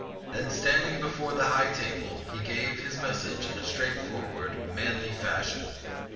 Then, standing before the high table, he gave his message in straightforward, manly fashion.